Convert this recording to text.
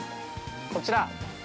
◆こちら！